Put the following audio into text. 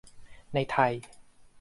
ในไทย